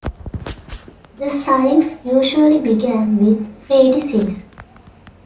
The signs usually began with "Freddy 'sez'".